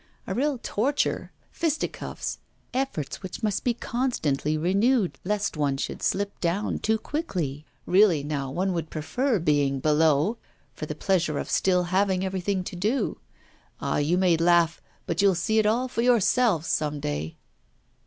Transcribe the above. A real torture, fisticuffs, efforts which must be constantly renewed, lest one should slip down too quickly. Really now, one would prefer being below, for the pleasure of still having everything to do Ah, you may laugh, but you'll see it all for yourselves some day!